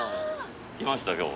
いました今日。